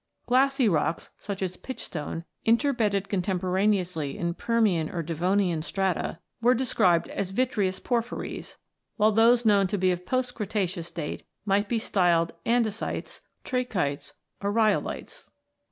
Glassy rocks, such as pitchstone, inter bedded contemporaneously in Permian or Devonian strata, were described as "vitreous porphyries," while those known to be of post Cretaceous date might be styled andesites, trachytes, or rhyolites.